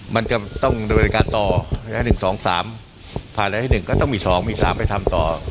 มันจะต้องบริการต่อ๑๒๓ผ่านแล้วให้๑ก็ต้องมี๒มี๓ไปทำต่อ